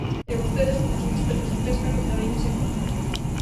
E vostedes, como son expertos en pesca, contradín ese informe.